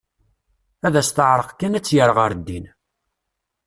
Ad as-teɛreq kan ad tt-yerr ɣer ddin.